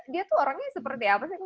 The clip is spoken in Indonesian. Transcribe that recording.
dia tuh orangnya seperti apa sih